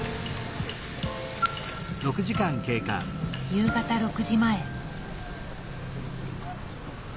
夕方６時前。